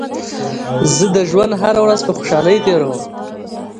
زه د ژوند هره ورځ په خوشحالۍ تېروم.